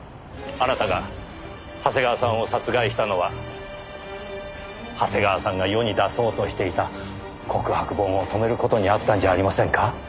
あなたが長谷川さんを殺害したのは長谷川さんが世に出そうとしていた告白本を止める事にあったんじゃありませんか？